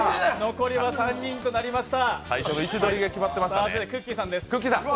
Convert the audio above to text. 残りは３人となりました。